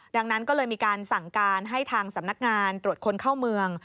ดังนั้นก็เลยมีการสั่งการให้ทางสำนักงานตรวจคนเข้าเมือง